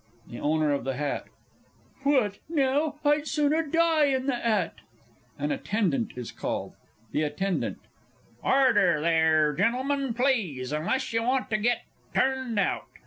THE O. OF THE H. What now! I'd sooner die in the 'at! [An ATTENDANT is called. THE ATTENDANT. Order, there, Gentlemen, please unless you want to get turned out!